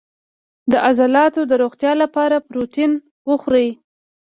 د عضلاتو د روغتیا لپاره پروتین وخورئ